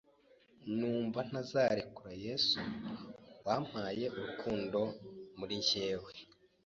numva ntazarekura Yesu wampaye urukundo muri njyewe.